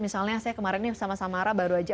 misalnya saya kemarin sama sama arah baru aja